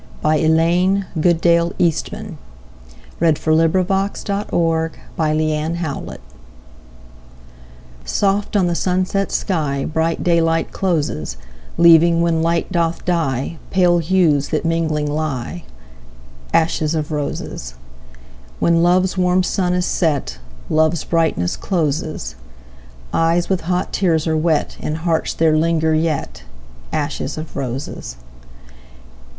By Elaine GoodaleEastman 1526 Ashes of Roses SOFT on the sunset skyBright daylight closes, Leaving, when light doth die, Pale hues that mingling lie,—Ashes of roses. When love's warm sun is set, Love's brightness closes; Eyes with hot tears are wet, In hearts there linger yetAshes of roses.